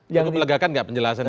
itu melegakan enggak penjelasan ini